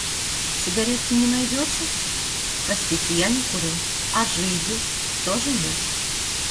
«Сигаретки не найдётся?» — «Простите, я не курю». — «А жиги?» — «Тоже нет».